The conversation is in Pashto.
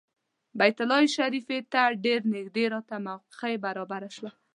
بیت الله شریفې ته ډېر نږدې راته موقع برابره شوه.